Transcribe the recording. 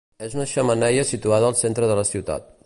És una xemeneia situada al centre de la ciutat.